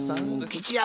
吉弥